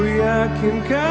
kuyakin kau tahu